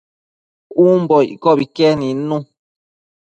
umbo iccobi que nidnu